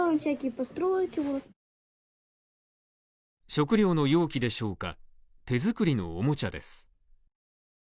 食料の容器でしょうか手作りのおもちゃです。